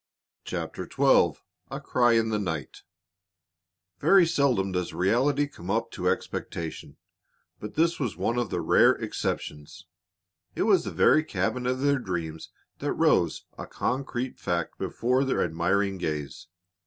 CHAPTER XII A CRY IN THE NIGHT Very seldom does reality come up to expectation, but this was one of the rare exceptions. It was the very cabin of their dreams that rose, a concrete fact, before their admiring gaze.